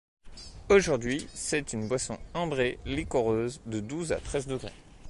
Aujourd'hui, c'est une boisson ambrée, liquoreuse, de douze à treize degrés.